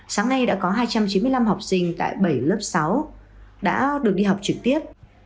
sáng nay đã có hai trăm chín mươi năm học sinh tại bảy lớp sáu đã được đi học trực tiếp